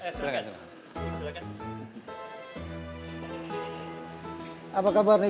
butuh banget projek ini